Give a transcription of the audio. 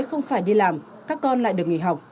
không phải đi làm các con lại được nghỉ học